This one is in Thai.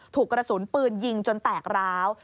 ถูกกระสุนปืนยิงจนแตกร้าว